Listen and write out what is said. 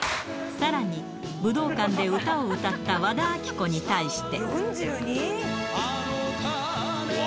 さらに、武道館で歌を歌った和田アキ子に対して。